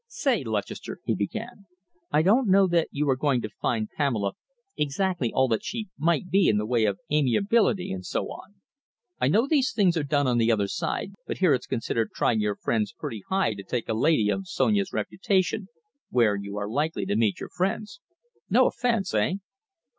"Say, Lutchester," he began, "I don't know that you are going to find Pamela exactly all that she might be in the way of amiability and so on. I know these things are done on the other side, but here it's considered trying your friends pretty high to take a lady of Sonia's reputation where you are likely to meet your friends. No offence, eh?"